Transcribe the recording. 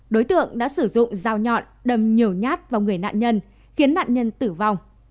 đối tượng đã sử dụng dao nhọn đâm nhiều nhát vào người nạn nhân khiến nạn nhân tử vong